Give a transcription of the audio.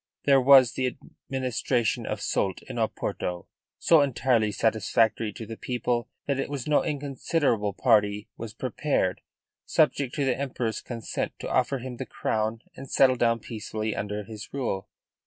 There was the administration of Soult in Oporto, so entirely satisfactory to the people that it was no inconsiderable party was prepared, subject to the Emperor's consent, to offer him the crown and settle down peacefully under his rule.